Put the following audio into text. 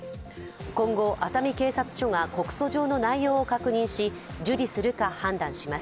今後、熱海警察署が告訴状の内容を確認し受理するか判断します。